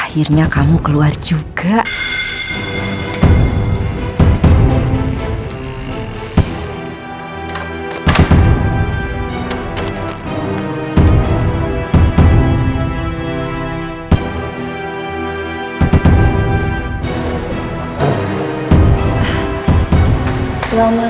terima kasih ma